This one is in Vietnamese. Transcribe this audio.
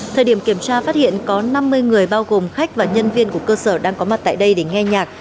thời điểm kiểm tra phát hiện có năm mươi người bao gồm khách và nhân viên của cơ sở đang có mặt tại đây để nghe nhạc